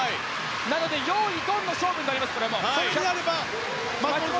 なのでよーいドンの勝負になります。